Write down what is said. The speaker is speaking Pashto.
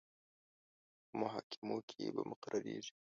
په محاکمو کې به مقرریږي.